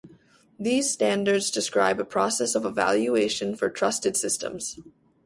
These standards describe a process of evaluation for trusted systems.